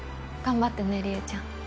頑張ってねりえちゃん。